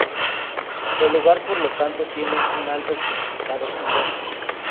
El lugar por lo tanto tiene un alto significado simbólico.